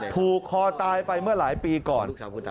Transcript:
ผูกคอตายไปเมื่อหลายปีก่อน